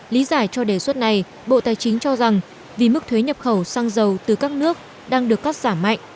lý giải cho đề xuất này bộ tài chính cho rằng vì mức thuế nhập khẩu xăng dầu từ các nước đang được cắt giảm mạnh